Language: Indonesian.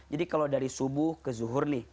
jadi kalau dari subuh ke zuhur